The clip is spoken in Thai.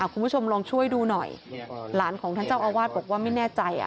คุณผู้ชมลองช่วยดูหน่อยหลานของท่านเจ้าอาวาสบอกว่าไม่แน่ใจ